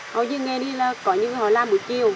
hầu như nghe đi là có những người họ làm buổi chiều